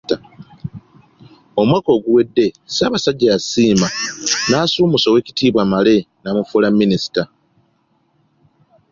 Omwaka oguwedde Ssaabasajja y'asiima n'asuumuusa Oweekitiibwa Male n'amufuula Minisita.